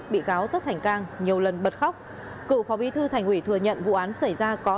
bị cáo tất thành cang nhiều lần bật khóc cựu phó bí thư thành ủy thừa nhận vụ án xảy ra có